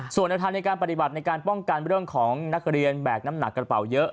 ส่วนแนวทางในการปฏิบัติในการป้องกันเรื่องของนักเรียนแบกน้ำหนักกระเป๋าเยอะ